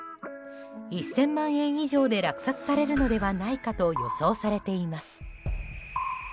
１０００万円以上で落札されるのではないかと予想されています。